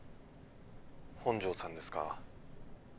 ☎本庄さんですか？